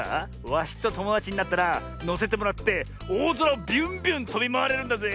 ワシとともだちになったらのせてもらっておおぞらをビュンビュンとびまわれるんだぜ。